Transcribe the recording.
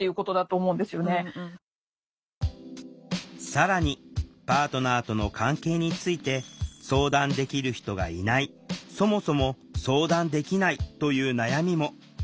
更にパートナーとの関係について相談できる人がいないそもそも相談できないという悩みも。